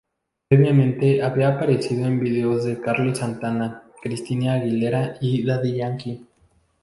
Previamente había aparecido en videos de Carlos Santana, Christina Aguilera y Daddy Yankee.